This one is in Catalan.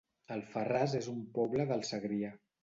Alfarràs es un poble del Segrià